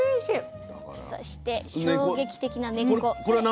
そして衝撃的な根っこ。